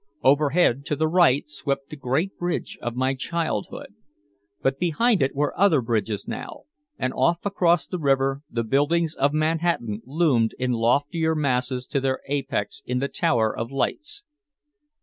Overhead to the right swept the Great Bridge of my childhood. But behind it were other bridges now, and off across the river the buildings of Manhattan loomed in loftier masses to their apex in the tower of lights.